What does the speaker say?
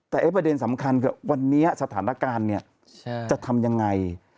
แต่ประเด็นสำคัญคือวันนี้สถานการณ์เนี่ยจะทำยังไง